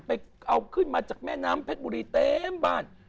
ไปเอาขึ้นมาจากแม่น้ำเพชรบุรีเต็มบ้าน